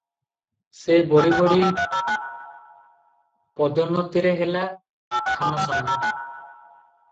ସେ ବଢ଼ି ବଢ଼ି ପଦୋନ୍ନତିରେ ହେଲା ଖାନସମା ।